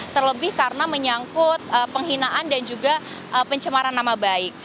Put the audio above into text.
terlebih karena menyangkut penghinaan dan juga pencemaran nama baik